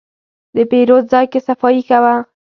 د پیرود ځای کې صفایي ښه وه.